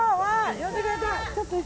呼んでくれた。